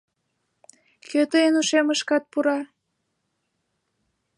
Кӧ тыйын ушемышкат пура?